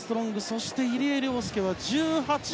そして入江陵介は１８位。